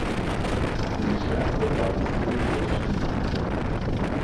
پیشرفت آهستهی کشتی